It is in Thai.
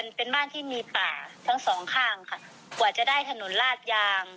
เราดีใจได้ป้าย